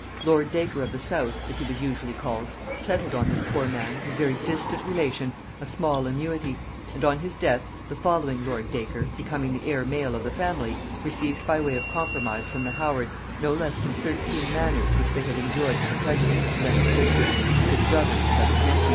Lord Dacre of the south, as he was usually called, settled on this poor man, his very distant relation, a small annuity; and on his death the following lord Dacre, becoming the heir male of the family, received by way of compromise from the Howards no less than thirteen manors which they had enjoyed to the prejudice of Leonard Dacre, of his brother and of his nephew.